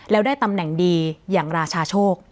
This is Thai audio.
แล้วได้ตำแหน่งดีอย่างราชาโชค